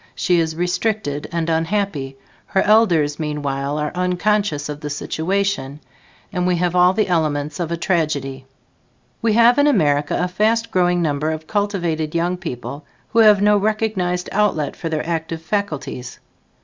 She is restricted and unhappy; her elders meanwhile, are unconscious of the situation and we have all the elements of a tragedy. We have in America a fast growing number of cultivated young people who have no recognized outlet for their active faculties.